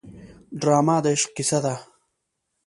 ډرامه د عشق کیسه ده